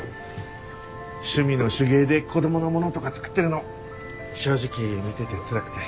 趣味の手芸で子供のものとか作ってるの正直見ててつらくて。